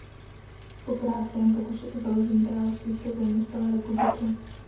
Po krátkém pokusu o založení království se země stala republikou.